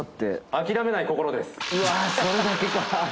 うわっそれだけか。